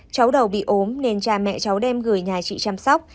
cháu đầu bị ốm nên cha mẹ cháu đem gửi nhà chị chăm sóc